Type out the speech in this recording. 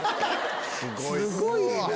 すごいな！